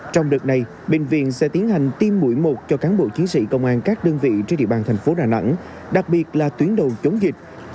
trong đợt này bệnh viện sẽ tiến hành tiêm mũi một cho cán bộ chiến sĩ công an các đơn vị trên địa bàn thành phố đà nẵng đặc biệt là tuyến đầu chống dịch